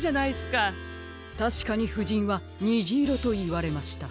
たしかにふじんは「にじいろ」といわれました。